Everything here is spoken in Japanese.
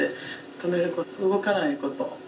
止めること動かないこと。